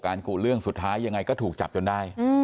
กู่เรื่องสุดท้ายยังไงก็ถูกจับจนได้